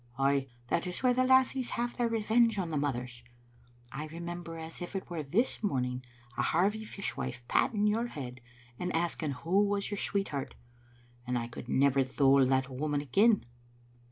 Ay, that is where the lassies have their re venge on the mothers. I remember as if it were this morning a Harvie fishwife patting your head and asking who was your sweetheart, and I could never thole the woman again.